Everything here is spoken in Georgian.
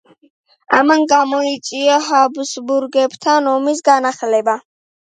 ამან გამოიწვია ჰაბსბურგებთან ომის განახლება.